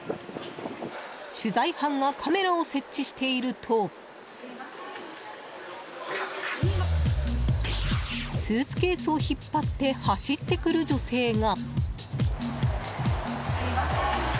取材班がカメラを設置しているとスーツケースを引っ張って走ってくる女性が。